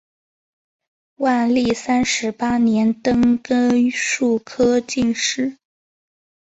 万历三十八年登庚戌科进士。